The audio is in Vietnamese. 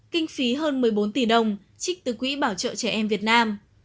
kinh phí hơn một mươi bốn tỷ đồng trích từ quỹ bảo trợ trẻ em việt nam